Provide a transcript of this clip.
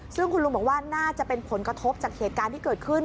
ซึ่งคุณลุงบอกว่าน่าจะเป็นผลกระทบจากเหตุการณ์ที่เกิดขึ้น